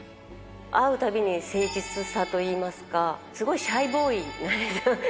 会うたびに誠実さといいますか、すごいシャイボーイなんですよ。